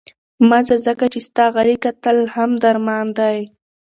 مه ځه، ځکه چې ستا غلي کتل هم درمان دی.